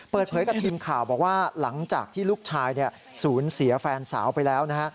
เปิดเผยกับทีมข่าวบอกว่าหลังจากที่ลูกชายสูญเสียแฟนสาวไปแล้วนะฮะ